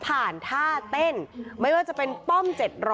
ท่าเต้นไม่ว่าจะเป็นป้อม๗๐๐